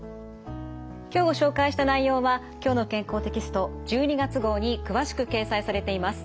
今日ご紹介した内容は「きょうの健康」テキスト１２月号に詳しく掲載されています。